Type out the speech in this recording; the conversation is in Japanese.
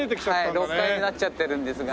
６階になっちゃってるんですが。